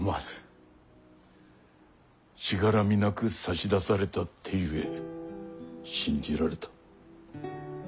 しがらみなく差し出された手ゆえ信じられた。